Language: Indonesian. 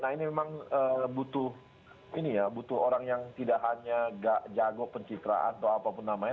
nah ini memang butuh orang yang tidak hanya jago penciptaan atau apapun namanya